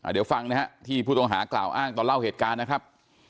เดี๋ยวฟังนะฮะที่ผู้ต้องหากล่าวอ้างตอนเล่าเหตุการณ์นะครับ